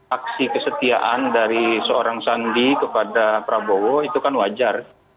aksi kesetiaan dari seorang sandi kepada prabowo itu kan wajar